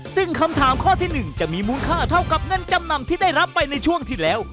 ซึ่งคำถามข้อที่๑จะมีมูลค่าเท่ากับเงินจำนำที่ได้รับไปในช่วงที่แล้ว